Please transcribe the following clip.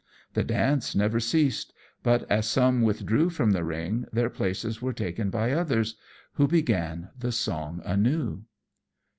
The dance never ceased; but as some withdrew from the ring their places were taken by others, who began the song anew.